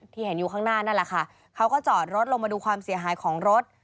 เห็นอยู่ข้างหน้านั่นแหละค่ะเขาก็จอดรถลงมาดูความเสียหายของรถ